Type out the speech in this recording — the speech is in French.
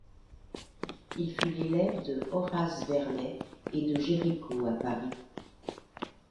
Il fut l'élève de Horace Vernet et de Géricault à Paris.